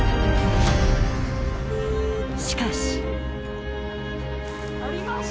しかし。